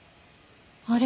あれ？